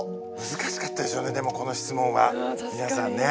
難しかったでしょうねでもこの質問は皆さんね。